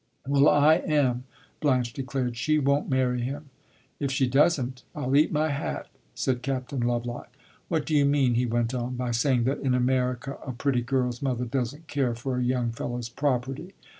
"Well, I am," Blanche declared. "She won't marry him." "If she does n't, I 'll eat my hat!" said Captain Lovelock. "What do you mean," he went on, "by saying that in America a pretty girl's mother does n't care for a young fellow's property?"